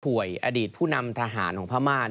อดีตผู้นำทหารของพม่า